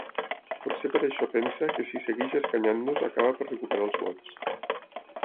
Potser per això pensa que si segueix escanyant-nos acaba per recuperar els vots.